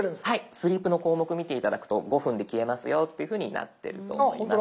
スリープの項目を見て頂くと５分で消えますよっていうふうになってると思います。